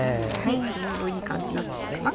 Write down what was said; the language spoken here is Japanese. ちょうどいい感じになってきたかな。